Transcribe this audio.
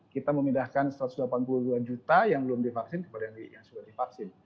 kita memindahkan satu ratus delapan puluh dua juta yang belum divaksin kepada yang sudah divaksin